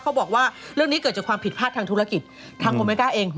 บอกว่าเรื่องนี้เกิดจากความผิดพลาดทางธุรกิจทางโอเมก้าเอง